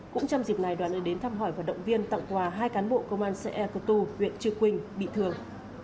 cũng trong dịp này đoán đến thăm hỏi và động viên tặng quà hai cán bộ công an xe ectu huyện trư quỳnh bị thường